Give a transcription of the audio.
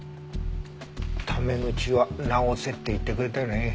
タメ口は直せって言ってくれたよね？